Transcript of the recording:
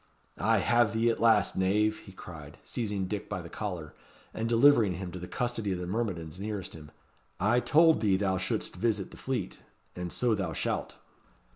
"I have thee at last, knave," he cried, seizing Dick by the collar, and delivering him to the custody of the myrmidons nearest him "I told thee thou should'st visit the Fleet. And so thou shalt."